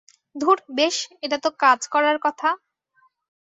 ধুর, বেশ, এটাতো কাজ করার কথা!